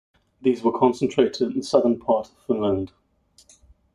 These were concentrated in the southern part of Finland.